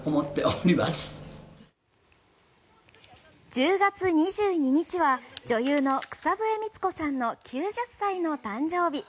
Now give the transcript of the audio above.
１０月２２日は女優の草笛光子さんの９０歳の誕生日。